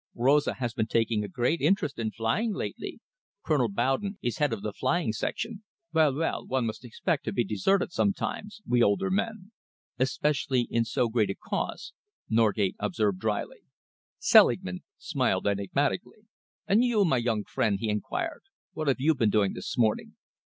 "Rosa has been taking a great interest in flying lately. Colonel Bowden is head of the Flying Section. Well, well, one must expect to be deserted sometimes, we older men." "Especially in so great a cause," Norgate observed drily. Selingman smiled enigmatically. "And you, my young friend," he enquired, "what have you been doing this morning?"